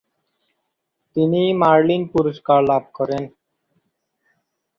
তিনি মার্লিন পুরস্কার লাভ করেন।